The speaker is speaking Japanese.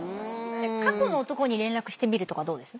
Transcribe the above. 過去の男に連絡してみるとかどうです？